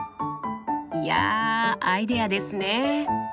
いやアイデアですね。